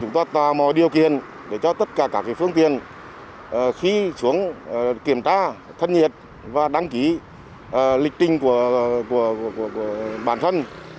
chúng ta tạo mọi điều kiện để cho tất cả các phương tiện khi xuống kiểm tra thân nhiệt và đăng ký lịch trình của bản thân